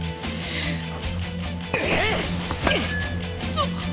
あっ。